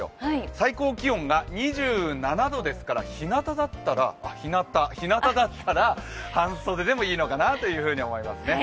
最高気温が２７度なのでひなただったらあ、ひなたひなただったら半袖でもいいのかなと思います